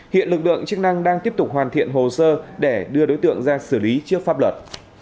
hiện lực lượng chức năng đang tiếp tục hoàn thiện hồ sơ để đưa đối tượng ra xử lý trước pháp luật